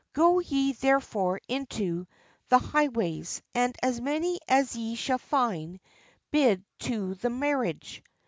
Go ye therefore into the high . ways, and as many as ye shall find, bid to the mar riage."